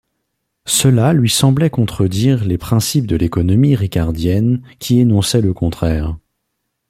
Cela lui semblait contredire les principes de l'économie ricardienne, qui énonçait le contraire.